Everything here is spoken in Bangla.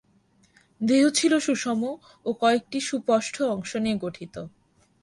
দেহ ছিল সুষম ও কয়েকটি সুস্পষ্ট অংশ নিয়ে গঠিত।